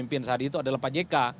pemimpin saat itu adalah pak jk